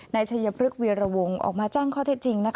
ในชายพลึกเวียระวงออกมาแจ้งข้อเท็จจริง